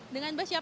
dengan mbak siapa